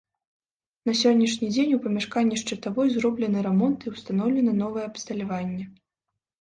На сённяшні дзень у памяшканні шчытавой зроблены рамонт і ўстаноўлена новае абсталяванне.